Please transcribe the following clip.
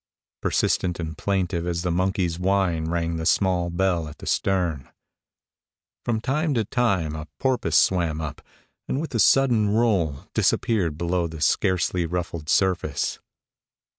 Persistent and plaintive as the monkey's whine rang the small bell at the stern. From time to time a porpoise swam up, and with a sudden roll disappeared below the scarcely ruffled surface.